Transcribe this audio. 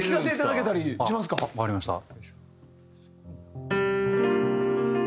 わかりました。